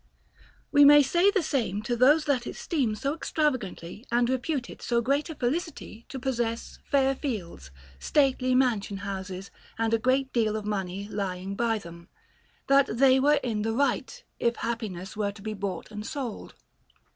We may say the same to those that esteem so extravagantly and repute it so great a felicity to possess fair fields, stately mansion houses, and a great deal of money lying by them, — that they were in the right, if happiness were to be bought and sold.